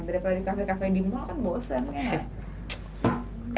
daripada di kafe kafe yang dimulai kan bosan ya